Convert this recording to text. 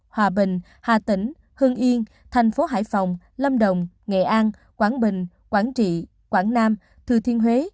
hòa bình hà tĩnh hương yên thành phố hải phòng lâm đồng nghệ an quảng bình quảng trị quảng nam thừa thiên huế